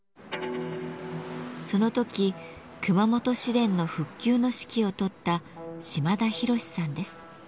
その時熊本市電の復旧の指揮をとった島田裕士さんです。